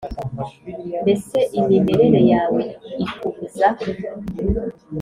Mbese imimerere yawe ikubuza